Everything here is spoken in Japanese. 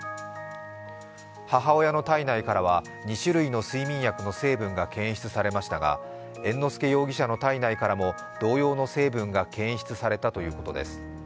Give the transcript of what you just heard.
母親の体内からは２種類の睡眠薬の成分が検出されましたが、猿之助容疑者の体内からも同様の成分が検出されたということです。